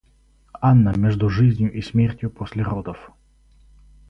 Анна между жизнью и смертью после родов.